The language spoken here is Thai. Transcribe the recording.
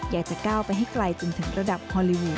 จะก้าวไปให้ไกลจนถึงระดับฮอลลีวูด